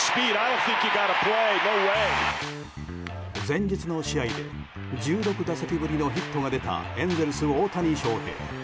前日の試合で１６打席ぶりのヒットが出たエンゼルス、大谷翔平。